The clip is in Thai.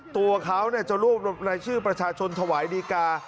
ตัวเขาจะรวบรายชื่อประชาชนถวายดีกา